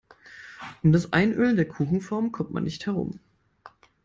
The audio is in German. Um das Einölen der Kuchenform kommt man nicht herum.